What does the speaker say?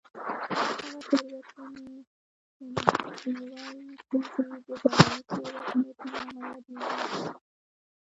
هغه تېروتنې چې مخنیوی یې کېږي د دایمي تېروتنې په نامه یادېږي.